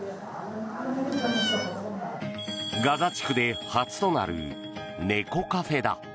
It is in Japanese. ガザ地区で初となる猫カフェだ。